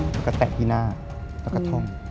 แล้วก็แตะที่หน้าแล้วก็ท่อง